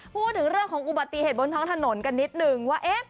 พูดถึงเรื่องของอุบัติเหตุบนท้องถนนกันนิดนึงว่า